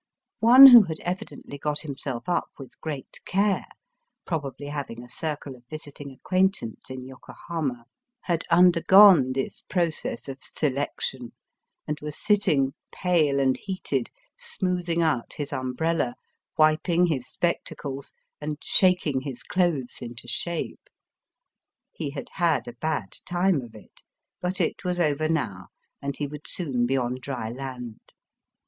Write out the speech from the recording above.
One who had evidently got himself up with great care, probably having a circle of visiting acquaintance in Yokohama, had undergone this process of selection, and was sitting, pale and heated, smoothing out his umbrella, wiping his spectacles, and shaking his clothes into shape. He had had a bad time of it, but it was over now, and he would soon be on dry land.